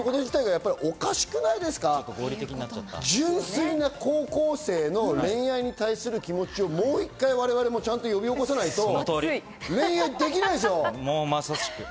純粋な高校生の恋愛に対する気持ちをもう１回我々も呼び起こさないと恋愛できないですよ。